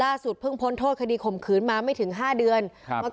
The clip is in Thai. เพิ่งพ้นโทษคดีข่มขืนมาไม่ถึงห้าเดือนครับ